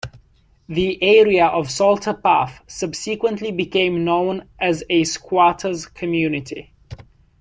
The area of Salter Path subsequently became known as a squatter's community.